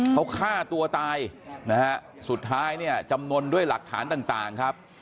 เขาฆ่าตัวตายนะฮะสุดท้ายเนี่ยจำนวนด้วยหลักฐานต่างครับ